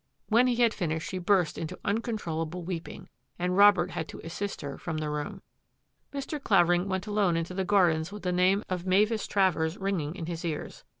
When he had finished she burst into uncontrol lable weeping, and Robert had to assist her from the room. Mr. Clavering went alone into the gardens with the name of Mavis Travers ringing in his ears.